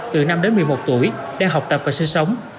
từ năm đến một mươi một tuổi đang học tập và sinh sống